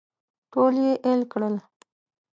ټول یې اېل کړل.